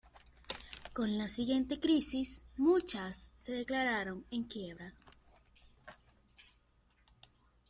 Con la siguiente crisis muchas se declararon en quiebra.